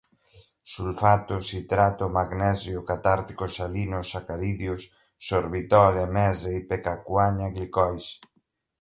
sulfato, citrato, magnésio, catárticos salinos, sacarídeos, sorbitol, emese, ipecacuanha, glicóis